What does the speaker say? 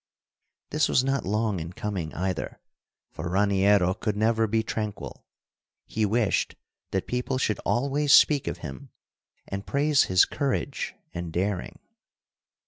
This was not long in coming, either, for Raniero could never be tranquil. He wished that people should always speak of him and praise his courage and daring.